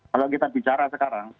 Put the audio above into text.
kalau kita bicara sekarang